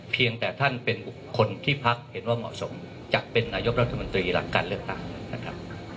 เพียงแต่ท่านเป็นบุคคลที่พักเห็นว่าเหมาะสมจะเป็นนายกรัฐมนตรีหลังการเลือกตั้งนะครับ